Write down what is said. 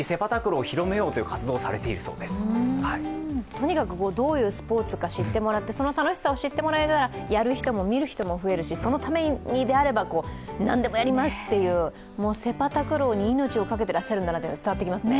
とにかくどういうスポーツか知ってもらってその楽しさを知ってもらえればやる人も見る人も増えますしそのためにであればなんでもやりますという、セパタクローに命をかけてらっしゃるんだなというのが伝わってきますね。